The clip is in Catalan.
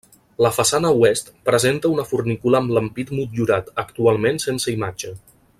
La façana oest presenta una fornícula amb l'ampit motllurat, actualment sense imatge.